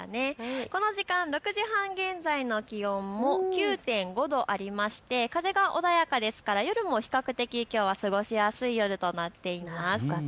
この時間、６時半現在の気温も９．５度ありまして風が穏やかですから夜も比較的、きょうは過ごしやすい夜となっています。